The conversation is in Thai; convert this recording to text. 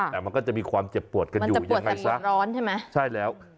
แต่มันก็จะมีความเจ็บปวดกันอยู่มันจะปวดใส่หยุดร้อนใช่ไหมใช่แล้ว